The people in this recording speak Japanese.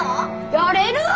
やれるわ！